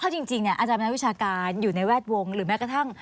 เอาความจริงอาจารย์แมนวิชาการอยู่ในแว๊ดวง